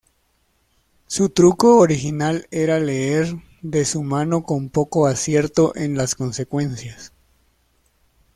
Su truco original era leer de su mano con poco acierto en las consecuencias.